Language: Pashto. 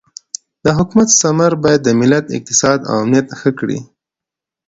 د حکومت ثمر باید د ملت اقتصاد او امنیت ښه کړي.